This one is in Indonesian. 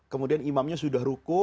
kemudian imamnya sudah ruku